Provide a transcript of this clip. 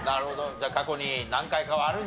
じゃあ過去に何回かはあるんじゃ。